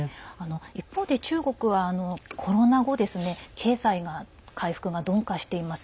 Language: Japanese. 一方で中国はコロナ後経済の回復が鈍化しています。